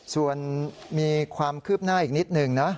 ส่วนมีความคืบหน้าอีกนิดหนึ่งนะ